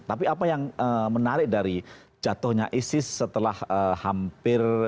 tapi apa yang menarik dari jatuhnya isis setelah hampir